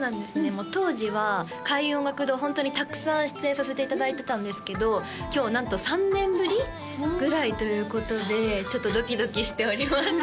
もう当時は開運音楽堂ホントにたくさん出演させていただいてたんですけど今日なんと３年ぶりぐらいということでちょっとドキドキしております